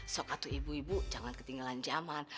sokatu ibu ibu jangan ketinggalan zaman